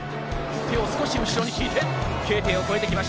手を少し後ろに引いて。